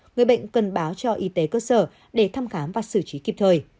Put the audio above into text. người bệnh cần báo cho y tế cơ sở để thăm khám và xử trí kịp thời